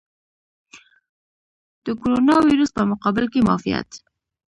د کوروناویرس په مقابل کې معافیت.